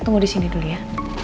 tunggu disini dulu ya